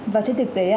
và trên thực tế